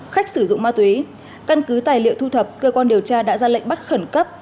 khách sử dụng ma túy căn cứ tài liệu thu thập cơ quan điều tra đã ra lệnh bắt khẩn cấp